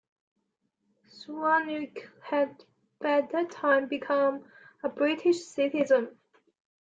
Sawoniuk had by that time become a British citizen.